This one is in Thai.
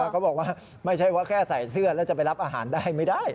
เขาบอกว่าไม่ใช่ว่าแค่ใส่เสื้อแล้วจะไปรับอาหารได้ไม่ได้